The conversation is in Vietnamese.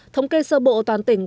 thống kê sơ bộ toàn tỉnh